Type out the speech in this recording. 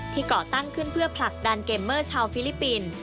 ก่อตั้งขึ้นเพื่อผลักดันเกมเมอร์ชาวฟิลิปปินส์